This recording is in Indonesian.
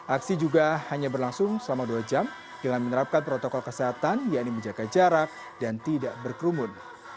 aksi juga hanya berlangsung selama dua jam dengan menerapkan protokol kesehatan yaitu menjaga jarak dan tidak berkerumun